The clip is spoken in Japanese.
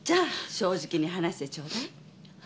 正直に話してちょうだい。